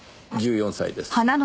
１４歳です。